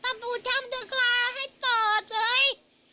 พระผู้ชมนะคะอยากออกให้หมดเลย